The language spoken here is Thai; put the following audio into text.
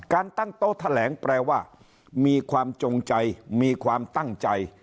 ตั้งโต๊ะแถลงแปลว่ามีความจงใจมีความตั้งใจ